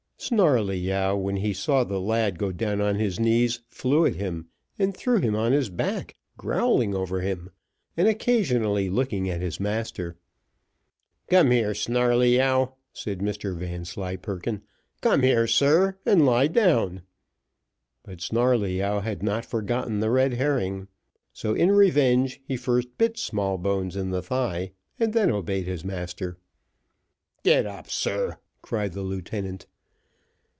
Snarleyyow, when he saw the lad go down on his knees, flew at him, and threw him on his back, growling over him, and occasionally looking at his master. "Come here, Snarleyyow," said Mr Vanslyperken. "Come here, sir, and lie down." But Snarleyyow had not forgotten the red herring; so in revenge, he first bit Smallbones in the thigh, and then obeyed his master. "Get up, sir," cried the lieutenant.